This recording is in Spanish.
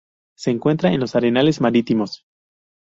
Se encuentra en los arenales marítimos.